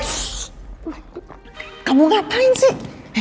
shhh kamu ngapain sih